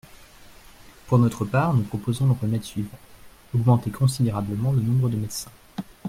Pour notre part, nous proposons le remède suivant : augmenter considérablement le nombre de médecins.